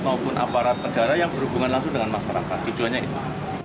maupun aparat negara yang berhubungan langsung dengan masyarakat tujuannya itu